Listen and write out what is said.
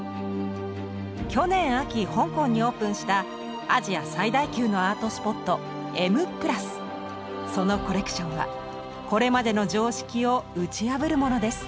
去年秋香港にオープンしたアジア最大級のアートスポットそのコレクションはこれまでの常識を打ち破るものです。